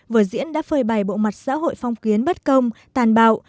vở diễn đã phơi bày bộ mặt xã hội phong kiến bất công tàn bạo